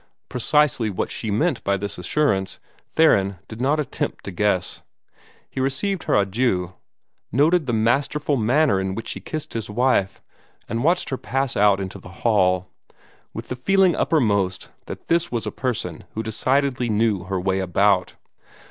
Precisely what she meant by this assurance, Theron did not attempt to guess. He received her adieu, noted the masterful manner in which she kissed his wife, and watched her pass out into the hall, with the feeling uppermost that this was a person who decidedly knew her way about.